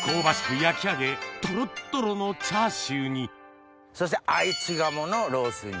焼き上げトロットロのチャーシューにそして「あいち鴨のロース煮」。